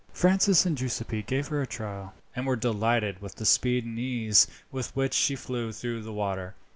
Francis and Giuseppi gave her a trial, and were delighted with the speed and ease with which she flew through the water.